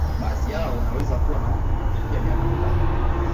Baadhi yao wanaweza kuwa na umri unaofikia miaka mitatu